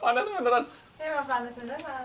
memang panas benar benar panas